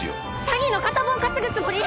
詐欺の片棒担ぐつもり？